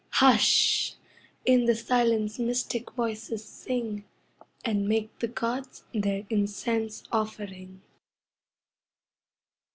Hush! in the silence mystic voices sing And make the gods their incense offering.